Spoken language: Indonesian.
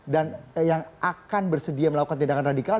dan yang akan bersedia melakukan tindakan radikal